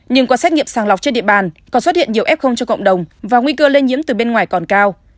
nhưng qua xét nghiệm sàng lọc trên địa bàn còn xuất hiện nhiều f cho cộng đồng và nguy cơ lây nhiễm từ bên ngoài còn cao